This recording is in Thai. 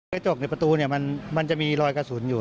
กระจกในประตูเนี่ยมันจะมีรอยกระสุนอยู่